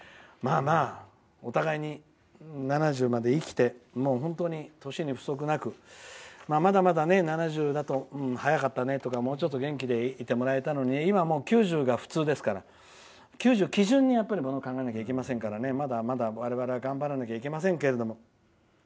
お互いに７０まで生きて年に不足なくまだまだ７０だと早かったねとかもうちょっと元気でいてもらえたのにねとか今も９０が普通ですから９０を基準にものを考えないといけませんからまだまだ、我々は頑張らなきゃいけませんけれども。